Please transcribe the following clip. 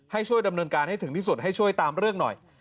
ให้ช่วยดำเนินการให้ถึงที่สุดให้ช่วยตามเรื่องหน่อย